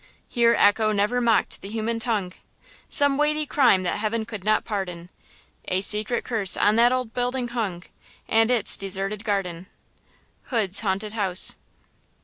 Here Echo never mocked the human tongue; Some weighty crime that Heaven could not pardon, A secret curse on that old Building hung And its deserted garden! –Hood's Haunted House.